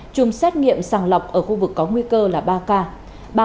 chung xét nghiệm sàng lọc ở khu vực có nguy cơ là ba ca